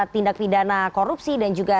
tindak pidana korupsi dan juga